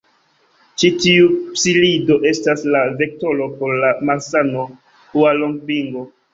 Ĉi tiu psilido estas la vektoro por la malsano Hualongbingo.